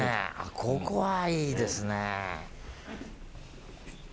ここはいいですね。